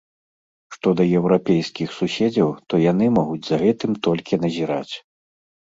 Што да еўрапейскіх суседзяў, то яны могуць за гэтым толькі назіраць.